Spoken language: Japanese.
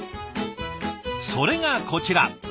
それがこちら。